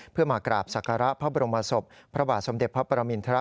เพื่อมากราบศักระพระบรมศพพระบาทสมเด็จพระปรมินทร